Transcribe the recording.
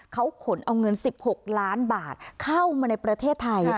เขาขนเอาเงิน๑๖ล้านบาทเข้ามาในประเทศไทย